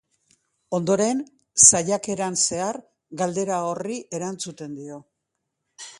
Ondoren, saiakeran zehar, galdera horri erantzuten dio.